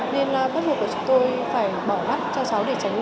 nên là cất mổ của chúng tôi phải bỏ mắt cho cháu để tránh nghiêm nhiễm sau mắt